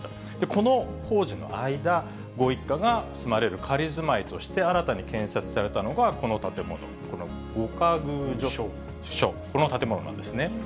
この工事の間、ご一家が住まわれる仮住まいとして新たに建設されたのが、この建物、この御仮寓所というこの建物なんですね。